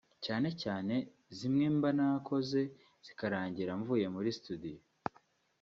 cyane cyane zimwe mba nakoze zikarangira mvuye muri studio